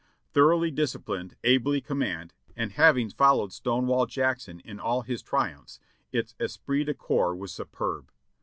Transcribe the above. Thoroughly disciplined, ably commanded, and having followed Stonewall Jackson in all his triumphs, its esprit de corps was superb.